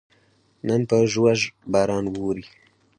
نن په ژوژ باران ووري